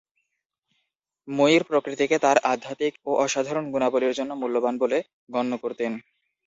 মুইর প্রকৃতিকে তার আধ্যাত্মিক ও অসাধারণ গুণাবলির জন্য মূল্যবান বলে গণ্য করতেন।